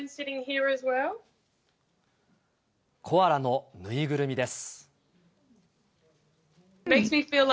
コアラの縫いぐるみです。